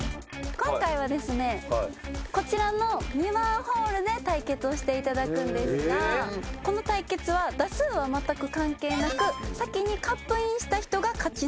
今回はですねこちらの２番ホールで対決をしていただくんですがこの対決は打数はまったく関係なく先にカップインした人が勝ち抜けというルールです。